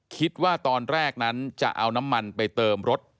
คิดว่าตอนแรกนั้นจะเอาน้ำมันไปเติมรถ